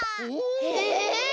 え！